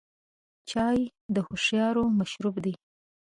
چای د هوښیارو مشروب دی.